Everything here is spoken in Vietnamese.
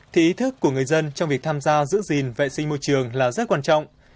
thì ý thức của người dân trong việc tham gia giữ gìn vệ sinh môi trường là rất quan trọng